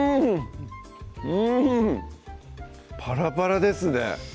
うんパラパラですね